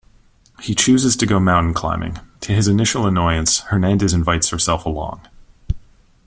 He chooses to go mountain climbing; to his initial annoyance, Hernandez invites herself along.